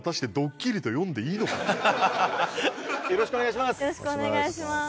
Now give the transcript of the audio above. よろしくお願いします！